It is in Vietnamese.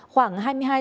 như antv đã đưa tin